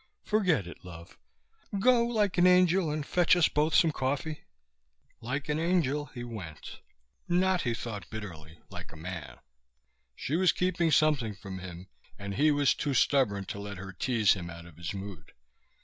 "Forget it, love. Go like an angel and fetch us both some coffee." Like an angel he went ... not, he thought bitterly, like a man. She was keeping something from him, and he was too stubborn to let her tease him out of his mood.